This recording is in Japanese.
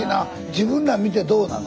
自分ら見てどうなの？